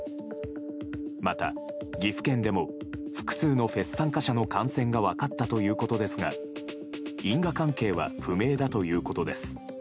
また、岐阜県でも複数のフェス参加者の感染が分かったということですが因果関係は不明だということです。